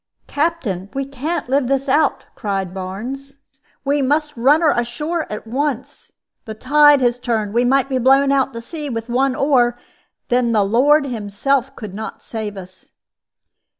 "Captain, we can't live this out," cried Barnes; "we must run her ashore at once; tide has turned; we might be blown out to sea, with one oar, and then the Lord Himself couldn't save us."